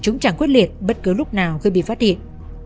chúng chẳng quyết liệt bất cứ lúc nào khi bị phát hiện